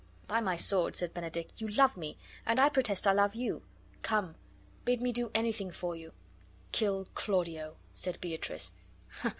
"By my sword," said Benedick, "you love me, and I protest I love you. Come, bid me do anything for you." "Kill Claudio," said Beatrice.